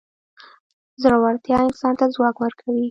زړورتیا انسان ته ځواک ورکوي.